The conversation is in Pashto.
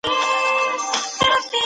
دا د کلونو د دقت او پاملرنې پایله وه.